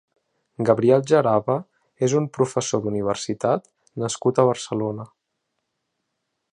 Gabriel Jaraba és un professor d'universitat nascut a Barcelona.